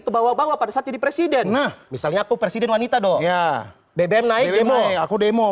kebawa bawa pada saat jadi presiden misalnya aku presiden wanita dong ya bbm naik demo aku demo